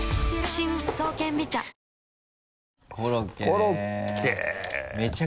コロッケね。